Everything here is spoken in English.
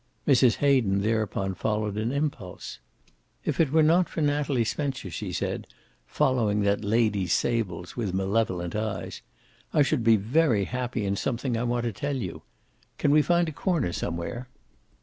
Mrs. Hayden thereupon followed an impulse. "If it were not for Natalie Spencer," she said, following that lady's sables with malevolent eyes, "I should be very happy in something I want to tell you. Can we find a corner somewhere?"